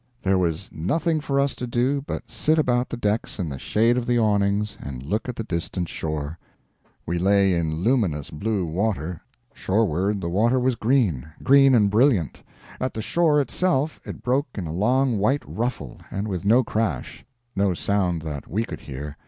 There was nothing for us to do but sit about the decks in the shade of the awnings and look at the distant shore. We lay in luminous blue water; shoreward the water was green green and brilliant; at the shore itself it broke in a long white ruffle, and with no crash, no sound that we could hear.